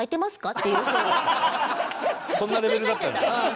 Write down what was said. そんなレベルだったんですね。